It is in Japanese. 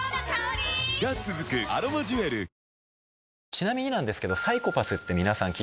ちなみになんですけど。